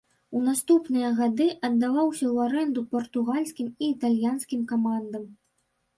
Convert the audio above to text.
У наступныя гады аддаваўся ў арэнду партугальскім і італьянскім камандам.